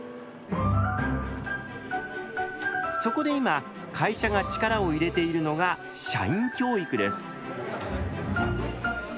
そこで今会社が力を入れているのが社員教育です。